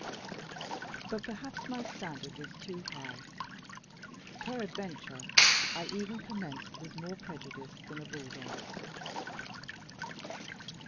But perhaps my standard was too high: peradventure I even commenced with more prejudice than a bulldog's.